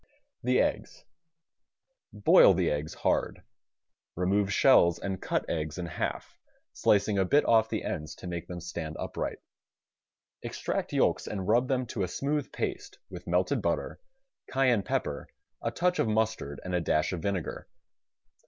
The Eggs Boil the eggs hard. Remove shells and cut eggs in half, slicing a bit off the ends to make them stand up right. Extract yolks and rub them to a smooth paste with melted butter, cayenne pepper, a touch of mustard and a dash of vinegar.